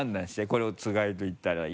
これをつがいと言ったら。